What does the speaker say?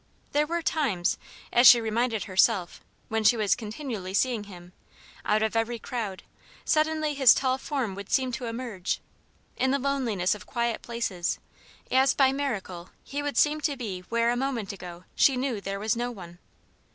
There were times, as she reminded herself, when she was continually seeing him; out of every crowd, suddenly his tall form would seem to emerge; in the loneliness of quiet places, as by miracle he would seem to be where a moment ago she knew there was no one.